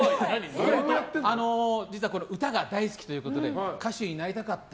歌が大好きということで歌手になりたかった。